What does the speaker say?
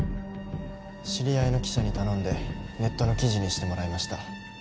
知り合いの記者に頼んでネットの記事にしてもらいました。